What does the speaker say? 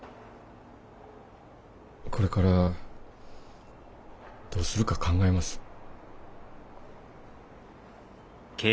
これからどうするか考えます。